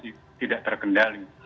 jumlahnya juga sudah tidak terkendali